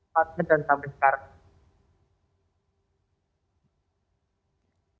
pasien dan tamil sekarang